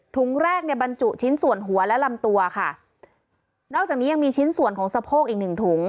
แรกเนี่ยบรรจุชิ้นส่วนหัวและลำตัวค่ะนอกจากนี้ยังมีชิ้นส่วนของสะโพกอีกหนึ่งถุง